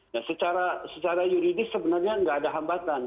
nah secara secara yuridis sebenarnya gak ada hambatan